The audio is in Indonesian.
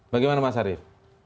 bagaimana mas arief